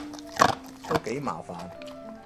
都幾麻煩